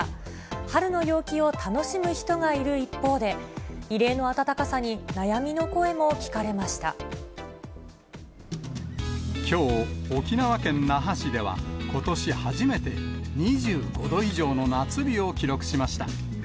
春の陽気を楽しむ人がいる一方で、異例の暖かさに、きょう、沖縄県那覇市では、ことし初めて、２５度以上の夏日を記録しました。